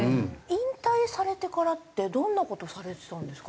引退されてからってどんな事されてたんですか？